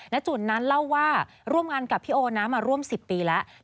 จุ่นนั้นเล่าว่าร่วมงานกับพี่โอนะมาร่วม๑๐ปีแล้ว